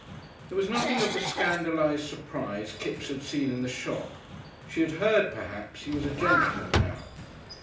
There was nothing of the scandalised surprise Kipps had seen in the shop; she had heard, perhaps, he was a gentleman now.